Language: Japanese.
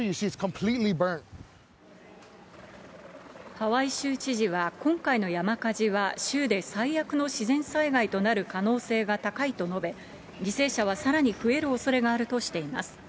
ハワイ州知事は、今回の山火事は、州で最悪の自然災害となる可能性が高いと述べ、犠牲者はさらに増えるおそれがあるとしています。